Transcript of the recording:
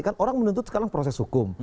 kan orang menuntut sekarang proses hukum